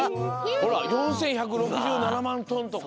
ほら「４１６７まんトン」とか。